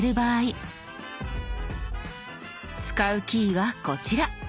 使うキーはこちら。